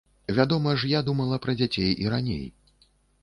Вядома ж, я думала пра дзяцей і раней.